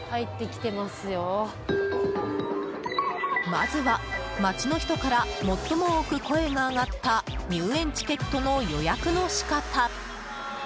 まずは街の人から最も多く声が上がった入園チケットの予約の仕方。